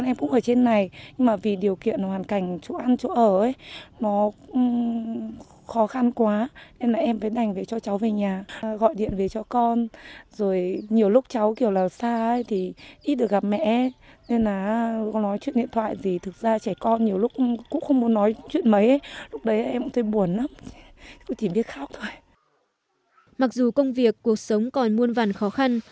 mặc dù công việc cuộc sống còn muôn vàn khó khăn